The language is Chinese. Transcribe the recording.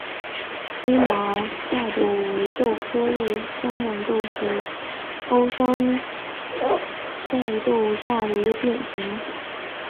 微毛山黧豆为豆科香豌豆属欧山黧豆下的一个变型。